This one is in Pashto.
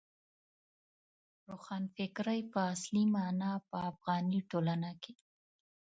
روښانفکرۍ په اصلي مانا په افغاني ټولنه کې.